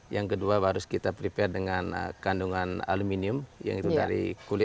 yang kedua harus kita prepare dengan kandungan aluminium yaitu dari kulit